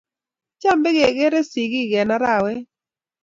Cham bigegeere sigiik eng arawet